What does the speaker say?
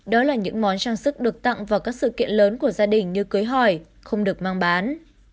đó là những món trang sức được tặng vào các sự kiện lớn của gia đình như cưới hỏi không được mang bán